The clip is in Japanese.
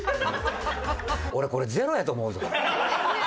俺これ０やと思うぞ。